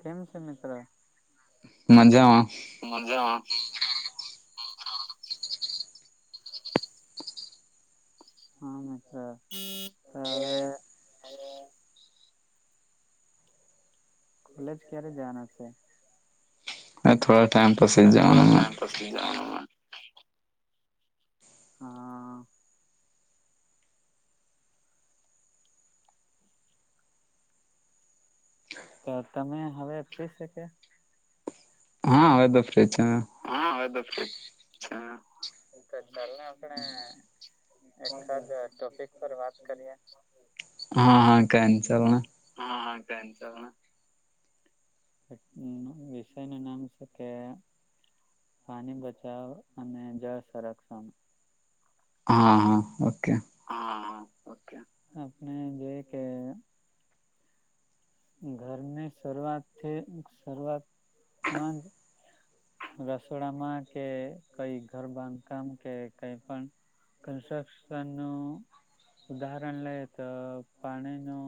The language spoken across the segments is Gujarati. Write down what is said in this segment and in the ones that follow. કેમ છે, મિત્ર? મજામા હા મિત્ર તો હવે કોલેજ ક્યારે જાવાના છે? અથવા થોડા ટાઈમ પાસી જાવાનું [unintelligible] હા. ત તમે હવે થે શકે હા હવે [unintelligible] [unintelligible] આપણે એખાદ ટોપિક પર વાત કરીએ હા હા કન ચાલને હા હા [unintelligible] વિષયનું નામ છે, કે પાની બચાવ અને જળ સંરક્ષણ હા હા ઓકે આપને જોએ કે ઘરને સર્વાથી સર્વાતમાજ રસોડામાં કે કઈ ઘર બાંધકામ કે કઈ પણ કન્સ્ટ્રક્શનનું ઉદાહરણ લેયે તો પાણીનુ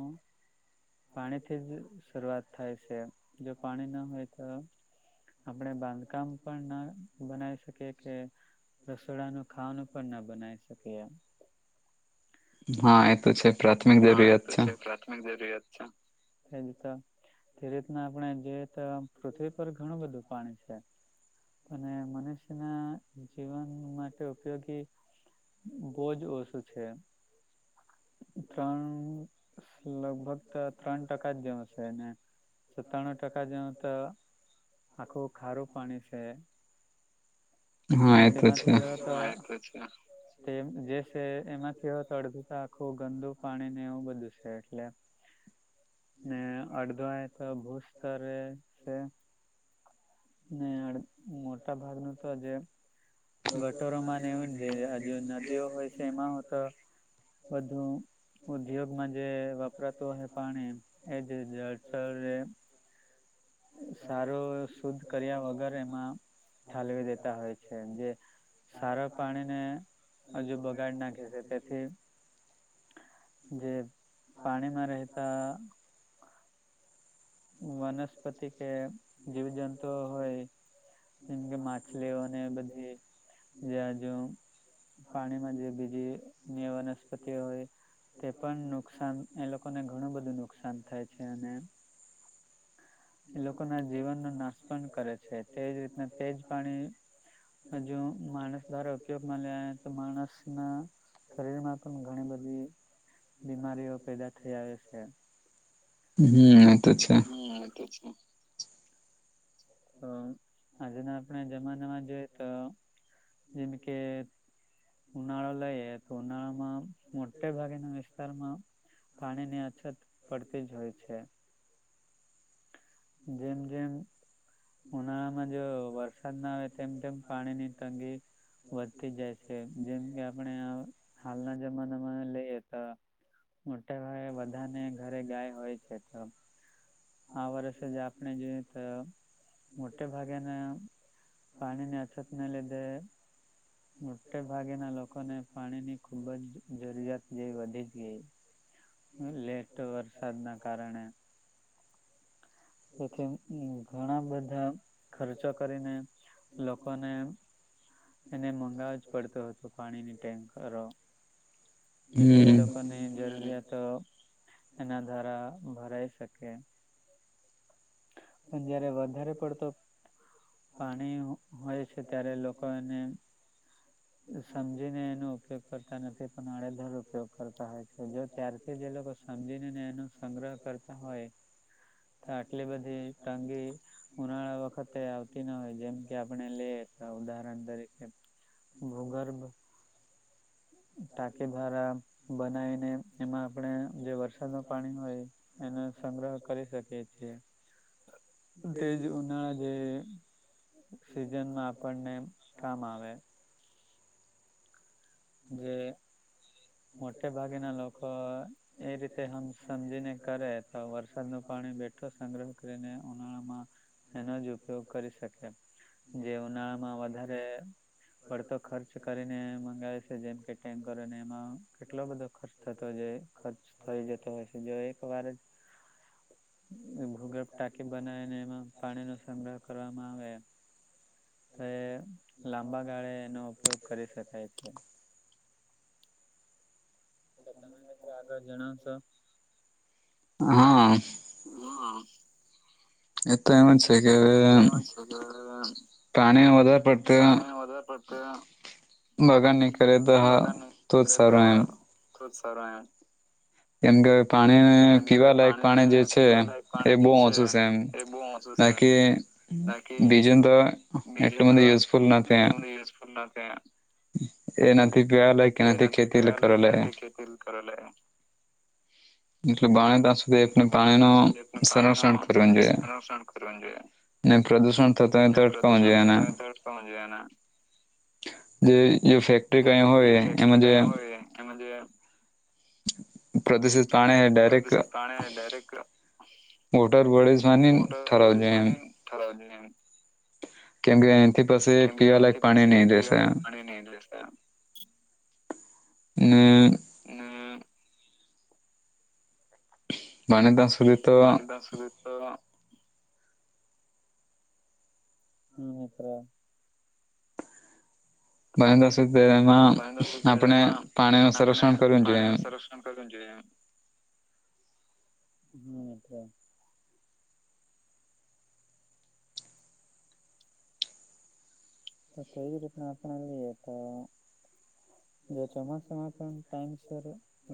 પાણી થી જ શરૂઆત થાય છે, જો પાણી ન હોય તો આપણે બાંધકામ પણ ના બનાવી શકીએ કે રસોડા ન ખાવાનું પણ ના બનાવી શકે એમ હા એ તો છે. હા એ તો છે, પ્રાથમિક જરૂરિયાત છે, તેજ ત તે રીતના આપણે જોઈએ તો પૃથ્વી પર ઘણું બધું પાણી છે. અને મનુષ્યના જીવન માટે ઉપયોગી બોજ ઓછું છે. ત્રણ લગભગ ત્રણ ટકા જ જેમ હશેને સત્તાણું ટકા જેવું તો આખું ખારું પાણી છે. ને તેમાં થયો તો [unintelligible] તે જે છે, એમાંથી તડગુંત આખું ગંદુ પાણી ને એવું બધું છે, એટલે ને અડધો એ તો ભૂસ્તરે છે. ને અડ મોટા ભાગનુ તો જે ગટોરોમાંને એવું જે હજુ નદીઓ હોય છે, એમાં તો વધુ ઉદ્યોગમાં જે વપરાતું અહે પાણી એજ [unintelligible] સારું શુદ્ધ કર્યા વગર એમાં ઠાલવી દેતા હોય છે, જે સારા પાણીને હજુ બગાડી નાખે છે, તેથી જે પાણીમાં રહેતા વનસ્પતિ કે જીવજંતુ હોય જેમ કે માછલીઓને બધી જ્યા હજુ પાણીમાં જે બીજી અન્ય વનસ્પતિ હોય તે પણ નુકસાન એ લોકોને ઘણું બધું નુકસાન થાય છે, અને એ લોકો ના જીવનનો નાશ પણ કરે છે, તેજ રીતના તેજ પાણી હજુ માણસ દ્વારા ઉપયોગમાં લે તો માણસના શરીરમાં પણ ઘણી બધી બીમારીઓ પેદા થઈ આવે છે. હમ એતો છે. હમ્મ તેજ તો અ આજના આપણે જમાનામાં જોઈએ તો જેમ કે ઉનાળો લઈએ તો ઉનાળા માં મોટે ભાગેના વિસ્તારમાં પાણીની અછત પડતી જ હોય છે જેમ જેમ ઉનાળા માં જો વરસાદ ના આવે તેમ તેમ પાણી ની તંગી વધતી જાય છે જેમ કે આપણે હાલના જમાના માં રહીએ તો મોટા ભાગે બધાને ઘરે ગાય હોય છે તો આ વર્ષ આપણે જોઈએ તો મોટે ભાગેના પાણી ની અછત ના લીધે મોટે ભાગેના લોકોને પાણીની ખૂબ જ જરૂરિયાત જેવી વધી જ ગઈ લેટ વરસાદ ના કારણે તેથી ઘણા બધા ખર્ચો કરીને લોકોને એને મંગાવવા જ પડતું હતું પાણી નુ ટેન્કરો જેથી એ લોકોની જરૂરિયાતો એના દ્વારા ભરાઈ શકે પણ જયારે વધારે પડતો પાણી હોય છે ત્યારે લોકો એને સમજીને એનો ઉપયોગ કરતા નથી પણ આડેધર ઉપયોગ કરતા હોય છે જો ત્યારથી એ લોકો સમજીને એનો સંગ્રહ કરતા હોય તો એટલે બધે તંગી ઉનાળા વખતે આવતી ના હોય જેમ કે આપણે લઈએ તો ઉદાહરણ તરીકે ભૂગર્ભ ટાંકી ધારા બનાવીને એમાં આપણે જે વરસાદ નુ પાણી હોય એનો સંગ્રહ કરી શકીએ છીએ. તેજ ઉનાળા જે સિઝનમાં આપણને કામ આવે જે મોટે ભાગેના લોકો એ રીતે હમ્મ સમજીને કરે તો વરસાદનું પાણી બેઠું સંગ્રહ કરીને ઉનાળામાં તેનો જ ઉપયોગ કરી શકે જે ઉનાળામાં વધારે પડતો ખર્ચ કરીને મંગાવે છે જેમ કે ટેન્કર અને એમાં કેટલો બધો ખર્ચ થતો હોય ખર્ચ થઈ જતો હોય છે જો એક વાર જ ભૂગર્ભ ટાંકી બનાયને એમાં પાણી નો સંગ્રહ કરવામાં આવે એ લાંબા ગાળે એનો ઉપયોગ કરી શકાય છે. તો તમે મિત્ર આગળ જણાવશો હા. એ તો એમ જ છે કે એ તો એમ જ છે કે પાણી વધારે પડતા બગાડની કરેતો હા તો જ સારું એમ ખુબ સારું એમ. કેમ કે પાણી પીવા લાયક પાણી જે છે એ બહું ઓછું છે એમ બાકી બીજુ તો એટલુ બધુ યુઝફુલ નથી એમ એ નથી પીવા લાયક કે નથી ખેતી કર કરવા લાયક હમ્મ કરવા લાયક એટલે બાણે તા સુધી પાણી નુ સંરક્ષણ કરવનું જોઈએ. ને પ્રદુષણ થતો હોય તો અટકાવવો જોયે એને જે જે ફેક્ટરી કઈ હોય એમાં જે પ્રદુશિત પાણી ડાયરેક અ હુંટર વળી જવાની ઠરાવજો એમ ઠરાવ જો એમ કેમ કે એનથી પછી પીવા લાયક પાણી ની રહેેશે ને ને બને તા બનેતા સુંધી તો હમ મીત્ર બનેતા સુંધીતો એમાં બનેતા સુધીતો એમાં આપણે પાણીનું સંરક્ષણ કરવું જોએ હમ મીત્ર તો કેજ રીતના આપ આપણ લ તો [inaudible] જો ચોમાસામાં પણ ટાઈમસર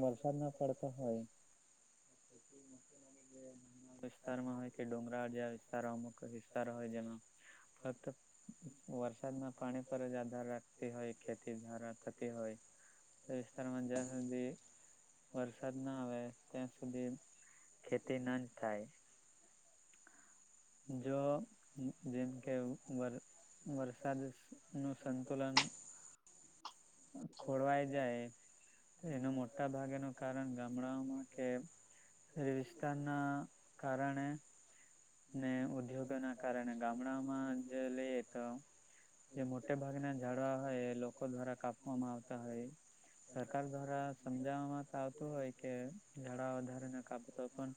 વરસાદના પડતો હોય [unintelligible] વિસ્તારમાં હોય કે ડુંગરાળ જેવા વિસ્તાર અમુક વિસ્તારો હોય જેમાં ફક્ત વરસાદના પાણી પર જ આધાર રાખતી હોય ખેતી ધારા થતી હોય તે વિસ્તારમાં જ્યાં હુધી વરસાદ ન આવે ત્યાં સુધી ખેતી ન જ થાય જો જેમકે વર વરસાદનું સંતુલન ખોળવાઈ જાય તો એનું મોટા ભાગેનું કારણ ગામડાઓમાં કે એ વિસ્કારના કારણે ને ઉદ્યોગોના કારણે ગામડામાં જ લેએ તો જે મોટે ભાગના ઝાડવા હોય એ લોકો દ્વારા કાપવામાં આવતા હોય સરકાર દ્વારા સમજાવવામાંતો આવતું હોય કે જાડવા વધારે ન કાપો તો પણ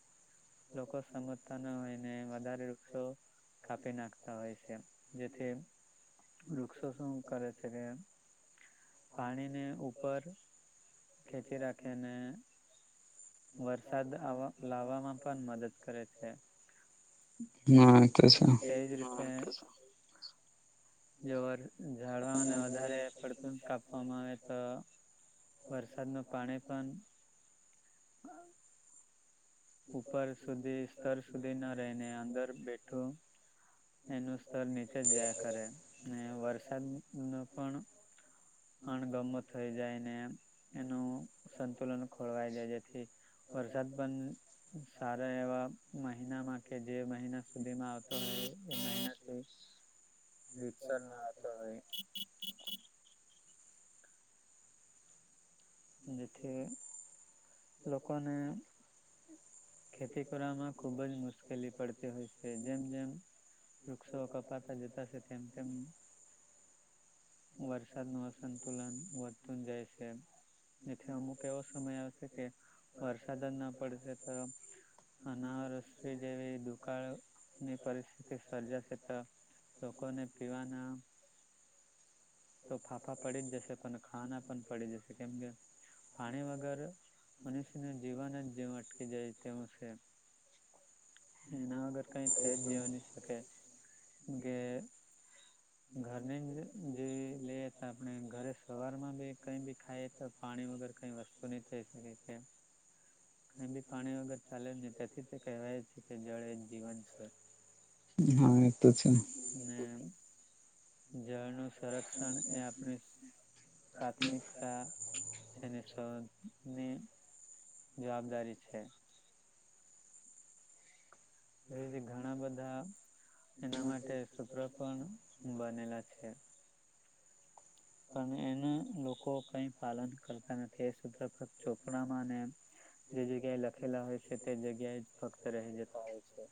લોકો સમજતા ન હોયને વધારે વૃક્ષો કાપી નાખતા હોય છે, જેથી વૃક્ષો શું કરે છે, કે પાણીની ઉપર ખેતી રાખેને વરસાદ આવા લાવવામાં પણ મદદ કરે છે. [inaudible] ને તેવી જ રીતે જો ઝાડવાઓને વધારે પડતું જ કાપવામાં આવે ત વરસાદનુ પાણી પન [inaudible] ઉપર સુધી સ્તર સુધી ન રેય ને અંદર બેઠું એનું સ્તર નીચે જ જાયા કરે ને વરસાદનુ પણ અણગમ થઈ જાયને એનું સંતુલન ખોળવાઈ જાય જેથી વરસાદ પન સારા એવા મહિનામાં કે જે મહિના સુધીમાં આવતો હોય એ મહિનાથી વિ [inaudible] જેથી લોકોને ખેતી કરવામાં ખુબ જ મુશ્કેલી પડતી હોય છે, જેમ જેમ વૃક્ષો કપાતા જતા છે, તેમ તેમ વરસાદનું અસંતુલન વધતું જાય છે. જેથી અમુક એવો સમય આવશે કે વરસાદ જ ના પડશે તો અનાવરસ જેવી દુકાળની પરિસ્થિતિ સર્જાશેત લોકોને પીવાના તો ફાફા પડી જ જશે પણ ખાના પણ પડી જશે કેમ કે પાણી વગર મનુષ્યનું જીવન જ જેવુ અટકી જાય તેવુ છે. એના વગર કઈ થઈ જેવુ ની શકે કે ઘરને જ જે લેએ હતા આપણે ઘરે સવારમાં બી કઈ બી ખાયે તો પાણી વગર કઈ વસ્તુ ની થઈ શકે કે કઈ બી પાણી વગર ચાલે ને તેથી તે કહેવાય છે, કે જળ એ જીવન છે. હા એતો છે. ને જળનું સંરક્ષણ એ આપણે પ્રાથમિકતાને- જવાબદારી છે. ઘણા બધા એના માટે સૂત્ર પણ બનેલા છે. પણ એના લોકો કઈ પાલન કરતા નથી એ સુત્ર ચોપડામાંને જે જગ્યાએ લખેલા હોય છે તે જગ્યાએ જ ફક્ત રહી જતા હોય છે.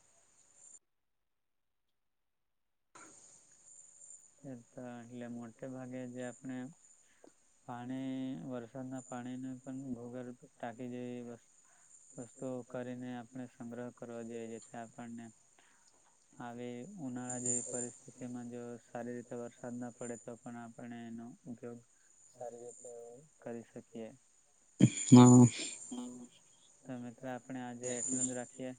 એ તો એલે મોટે ભાગે જે આપણે પાણી વરસાદના પાણીને પણ ભૂગળ ટાકી જ વસ્તુઓ કરીને આપણે સંગ્રહ કરવા જોઈએ જેથી આપણને આવી ઉનાળા જે પરિસ્થિતિમાં જો સારી રીતે વરસાદ ના પડે તો પણ આપણે એનો ઉપયોગ સારી રીતે કરી શકીએ હમ તમેતો આપણે આજે એટલું જ રાખીએ